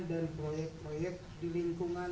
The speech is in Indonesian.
dan proyek proyek di lingkungan